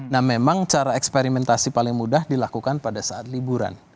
nah memang cara eksperimentasi paling mudah dilakukan pada saat liburan